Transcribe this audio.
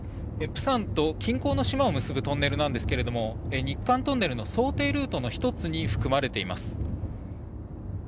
釜山と近郊の島を結ぶトンネルなんですけれども日韓トンネルの想定ルートの１つに含まれています。